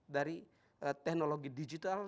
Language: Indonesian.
dari teknologi digital